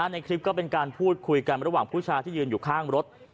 ในคลิปก็เป็นการพูดคุยกันระหว่างผู้ชายที่ยืนอยู่ข้างรถ